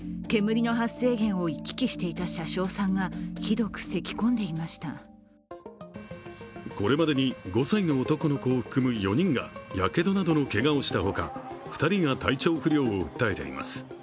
同じ新幹線に乗っていた乗客はこれまでに５歳の男の子を含む４人がやけどなどのけがをしたほか、２人が体調不良を訴えています。